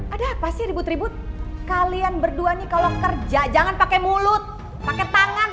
ada apa sih ribut ribut kalian berdua nih kalau kerja jangan pakai mulut pakai tangan pakai kaki